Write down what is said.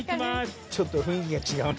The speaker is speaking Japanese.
ちょっと雰囲気が違うな。